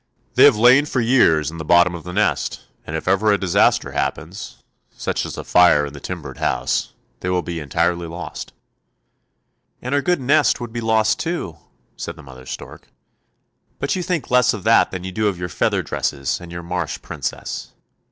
They have lain for years in the bottom of the nest, and if ever a disaster happens, such as a fire in the timbered house, they will be entirely lost." " And our good nest would be lost too," said the mother stork; " but you think less of that than you do of your feather dresses, and your marsh Princess.